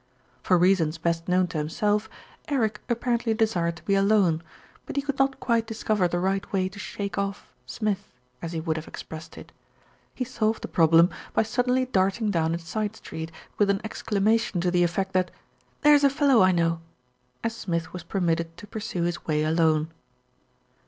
For reasons best known to himself, Eric apparently desired to be alone; but he could not quite discover the right way to "shake off" Smith, as he would have expressed it. He solved the problem by suddenly dart ing down a side street, with an exclamation to the effect that "there's a fellow I know," and Smith was per mitted to pursue his way alone.